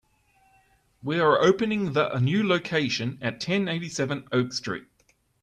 We are opening the a new location at ten eighty-seven Oak Street.